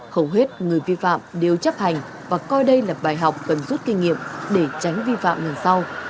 hầu hết người vi phạm đều chấp hành và coi đây là bài học cần rút kinh nghiệm để tránh vi phạm lần sau